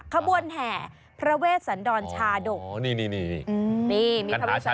ขบวนแห่พระเวชสันดรชาดก